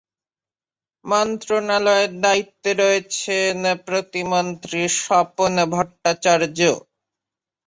মন্ত্রণালয়ের দায়িত্বে রয়েছেন প্রতিমন্ত্রী স্বপন ভট্টাচার্য্য।